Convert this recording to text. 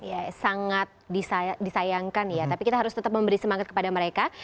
ya sangat disayangkan ya tapi kita harus tetap memberi semangat kepada mereka